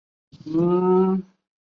家纹是六鸠酢草纹。